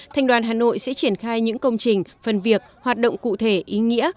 thành đoàn hà nội sẽ triển khai những công trình phần việc hoạt động cụ thể ý nghĩa